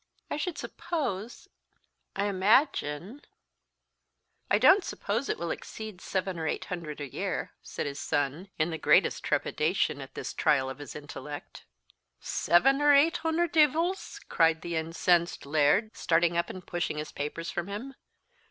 "I should suppose I imagine I don't suppose it will exceed seven or eight hundred a year," said his son, in the greatest trepidation at this trial of his intellect. "Seven or eight hunder deevils!" cried the incensed Laird, starting up and pushing his papers from him.